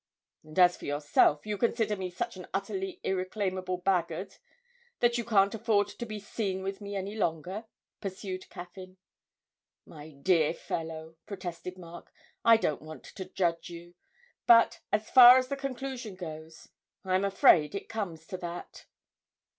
'And as for yourself, you consider me such an utterly irreclaimable blackguard that you can't afford to be seen with me any longer?' pursued Caffyn. 'My dear fellow,' protested Mark, 'I don't want to judge you. But, as far as the conclusion goes, I'm afraid it comes to that!'